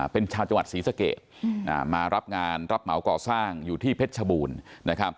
เป็นชาวจังหวัดศรีสะเกดมารับงานรับเหมาก่อสร้างอยู่ที่เพชรชบูรณ์นะครับ